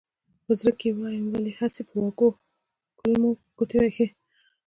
په زړه کې وایم ولې مې هسې په وږو کولمو ګوتې وهې.